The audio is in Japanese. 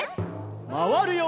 まわるよ。